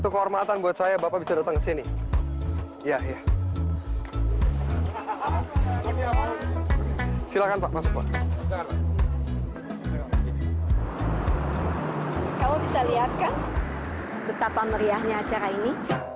kalau bisa lihat kan betapa meriahnya acara ini